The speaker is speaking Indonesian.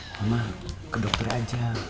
mama ke dokter aja